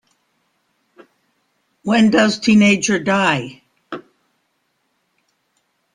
When Does Teenager Die?